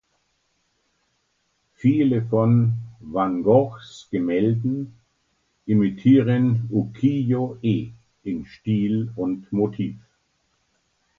Viele von van Goghs Gemälden imitieren Ukiyo-e in Stil und Motiv.